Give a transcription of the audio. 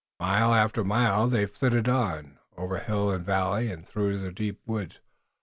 Mile after mile they flitted on, over hill and valley and through the deep woods.